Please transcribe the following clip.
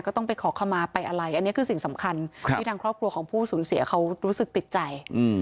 ก็ต้องไปขอขมาไปอะไรอันนี้คือสิ่งสำคัญที่ทางครอบครัวของผู้สูญเสียเขารู้สึกติดใจ